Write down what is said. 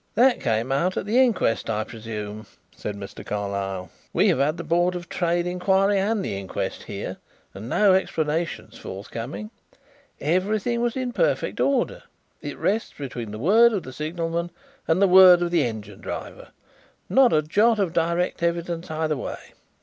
"That came out at the inquest, I presume?" said Mr. Carlyle. "We have had the Board of Trade inquiry and the inquest here and no explanation is forthcoming. Everything was in perfect order. It rests between the word of the signalman and the word of the engine driver not a jot of direct evidence either way.